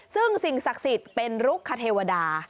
ซึ่งสิ่งศักดิ์สิทธิ์เป็นรุกคเทวดา